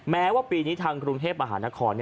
แม้ว่าปีนี้ทางกรุงเทพมหานคร